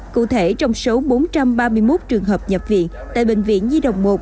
cụ thể trong số bốn trăm ba mươi một trường hợp nhập viện tại bệnh viện nhi đồng một